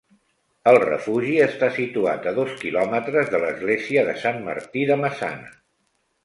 El refugi està situat a dos quilòmetres de l'església de Sant Martí de Maçana.